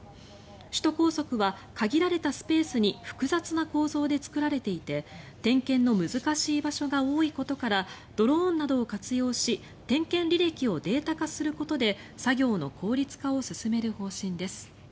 首都高速は限られたスペースに複雑な構造で作られていて点検の難しい場所が多いことからドローンなどを活用し点検履歴をデータ化することで作業の効率化を進める方針です。